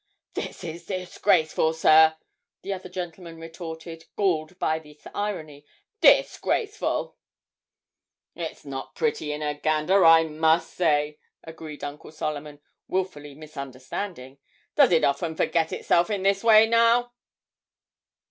'This is disgraceful, sir,' the other gentleman retorted, galled by this irony; 'disgraceful!' 'It's not pretty in a gander, I must say,' agreed Uncle Solomon, wilfully misunderstanding. 'Does it often forget itself in this way, now?'